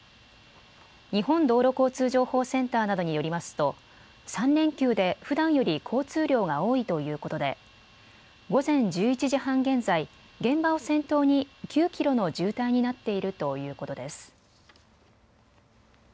日本道路交通情報センターなどによりますと３連休でふだんより交通量が多いということで午前１１時半現在、現場を先頭に９キロの渋滞になっているということです。